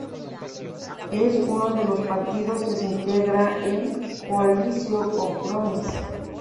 Es uno de los partidos que se integra en Coalició Compromís.